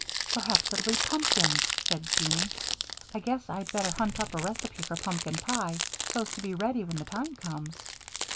"Perhaps it'll be pumpkins," said Jean. "I guess I'd better hunt up a recipe for pumpkin pie, so's to be ready when the time comes."